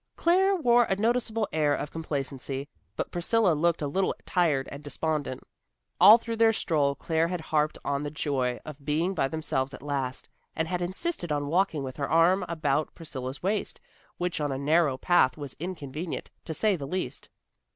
Claire wore a noticeable air of complacency, but Priscilla looked a little tired and despondent. All through their stroll Claire had harped on the joy of being by themselves at last, and had insisted on walking with her arm about Priscilla's waist, which on a narrow path was inconvenient, to say the least.